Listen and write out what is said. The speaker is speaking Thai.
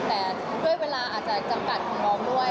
แต่ด้วยเวลาอาจจะจำกัดของน้องด้วย